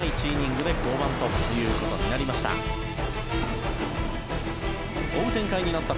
佐々木は今日は１イニングで降板ということになりました。